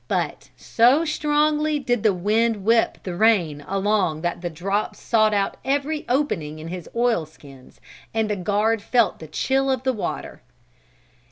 But so strongly did the wind whip the rain along that the drops sought out every opening in his oilskins and the guard felt the chill of the water.